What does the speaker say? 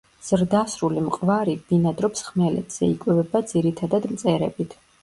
ზრდასრული მყვარი ბინადრობს ხმელეთზე, იკვებება ძირითადად მწერებით.